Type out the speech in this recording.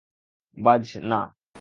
বায, না!